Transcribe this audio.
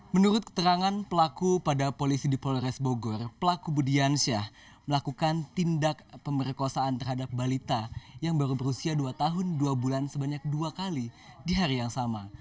menurut keterangan pelaku pada polisi di polres bogor pelaku budiansyah melakukan tindak pemerkosaan terhadap balita yang baru berusia dua tahun dua bulan sebanyak dua kali di hari yang sama